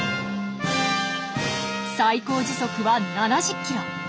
最高時速は７０ｋｍ。